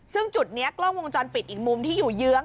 ซึ่งจุดนี้กล้องวงจรปิดอีกมุมที่อยู่เยื้อง